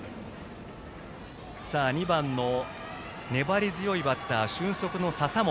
２番の粘り強いバッター俊足の笹本。